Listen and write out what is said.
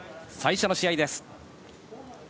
最初の試合です。